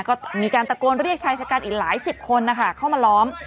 ก็มีการตะโกนเรียกชายชะกันอีกหลายสิบคนนะคะเข้ามาล้อม